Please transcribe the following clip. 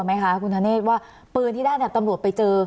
ทางครอบครัวไหมคะคุณธนเนธว่าปืนที่ได้แถบตำลวดไปเจอ